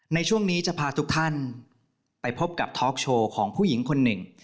ในช่วงนี้จะพาทุกท่านไปพบกับทอล์กโชว์ของผู้หญิงคนหนึ่ง